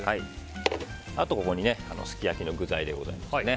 あと、ここにすき焼きの具材でございます。